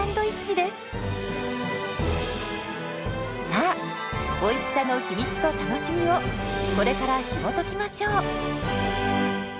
さあおいしさの秘密と楽しみをこれからひもときましょう！